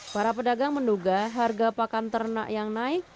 para pedagang menduga harga pakan ternak yang naik